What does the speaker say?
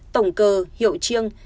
tổng cơ hiệu chiêng